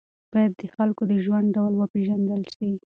باید د خلکو د ژوند ډول وپېژندل سي.